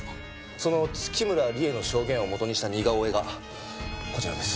その月村理絵の証言をもとにした似顔絵がこちらです。